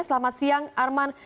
selamat siang arman